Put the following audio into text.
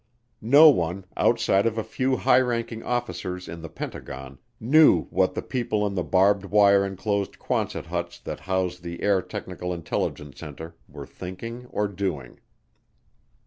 No one, outside of a few high ranking officers in the Pentagon, knew what the people in the barbed wire enclosed Quonset huts that housed the Air Technical Intelligence Center were thinking or doing.